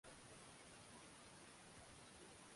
Anamkimbiza mwizi yule